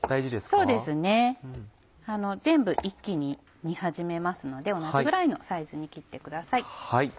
そうですね全部一気に煮始めますので同じぐらいのサイズに切ってください。